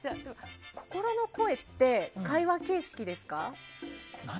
心の声って会話形式ですか？